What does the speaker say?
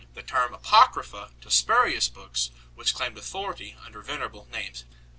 253 the term "apocrypha" to spurious books which claimed authority under venerable names.